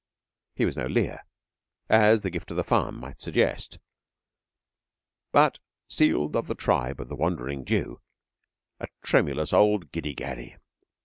He was no Lear, as the gift of the farm might suggest, but sealed of the tribe of the Wandering Jew a tremulous old giddy gaddy.